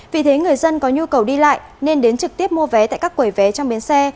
vì thế người dân có nhu cầu đi lại nên đến trực tiếp mua vé tại các quầy vé trong bến xe